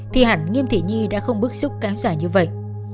thì hẳn nghiêm thị nhi đã không bức xúc cảm giả như vậy